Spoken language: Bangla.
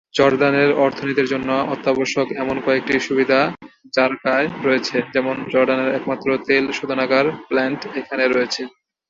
জর্দানের অর্থনীতির জন্য অত্যাবশ্যক এমন কয়েকটি সুবিধা জারকায় রয়েছে, যেমন জর্ডানের একমাত্র তেল শোধনাগার প্ল্যান্ট এখানে রয়েছে।